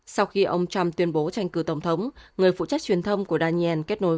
sau khi ông trump tuyên bố tranh cử tổng thống người phụ trách truyền thông của daniel kết nối